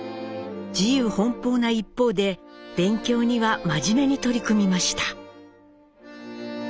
自由奔放な一方で勉強には真面目に取り組みました。